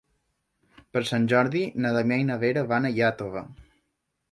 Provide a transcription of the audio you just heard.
Per Sant Jordi na Damià i na Vera van a Iàtova.